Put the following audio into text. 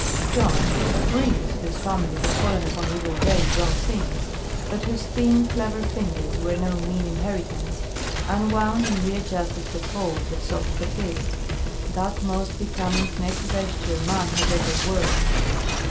Jon, a "prince" whose family had fallen upon evil days long since, but whose thin, clever fingers were no mean inheritance, unwound and readjusted the folds of soft batiste, that most becoming neck vesture man has ever worn.